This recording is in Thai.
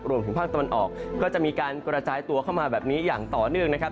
รวมถึงภาคตะวันออกก็จะมีการกระจายตัวเข้ามาแบบนี้อย่างต่อเนื่องนะครับ